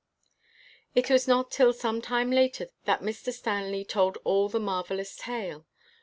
It was not till some time later that Mr. Stanley told all the marvelous tale.